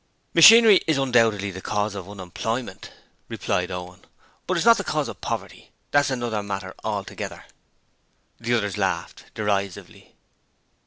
'Machinery is undoubtedly the cause of unemployment,' replied Owen, 'but it's not the cause of poverty: that's another matter altogether.' The others laughed derisively.